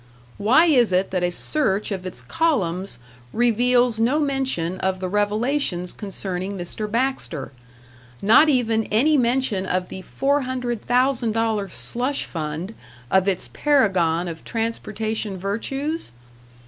Why is it that a search of its columns reveals no mention of the revelations concerning Mr. Baxter not even any mention of the $400,000 slush fund of its paragon of transportation virtues?